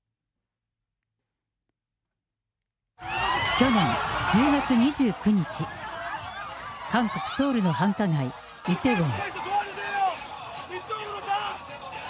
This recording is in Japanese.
去年１０月２９日、韓国・ソウルの繁華街、イテウォン。